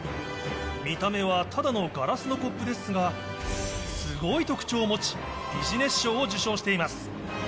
見た目はただのガラスのコップですが、すごい特徴を持ち、ビジネス賞を受賞しています。